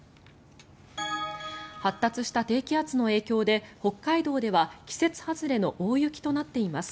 発達した低気圧の影響で北海道では季節外れの大雪となっています。